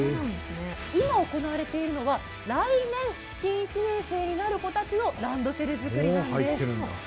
今、行われているのは来年、新１年生になる子たちのランドセル作りなんです。